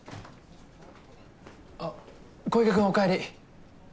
・あっ小池君おかえり。